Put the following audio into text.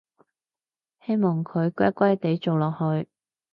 希望佢乖乖哋做落去